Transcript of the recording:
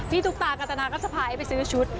พี่ตุ๊กตากัตตานาก็จะพาเอ๊ะไปซื้อชุด